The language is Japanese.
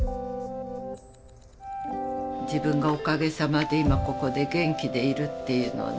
自分がおかげさまで今ここで元気でいるっていうのはね